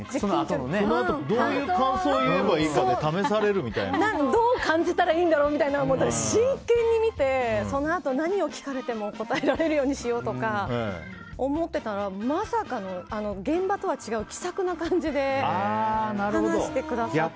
そのあとどういう感想を言えばいいかどう感じたらいいんだろうって真剣に見てそのあと何を聞かれても答えられるようにしようとか思ってたらまさかの現場とか違う気さくな感じで話してくださって。